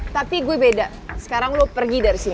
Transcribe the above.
tapi gue beda sekarang lo pergi dari sini